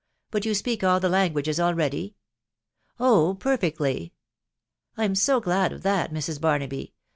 . But you speak all the languages already ?" "Oh ! perfectly." " I'm so glad of that, Mrs. Barnaby